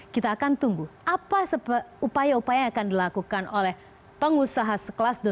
kita akan tunggu apa upaya upaya yang akan dilakukan oleh pengusaha sekelas dua puluh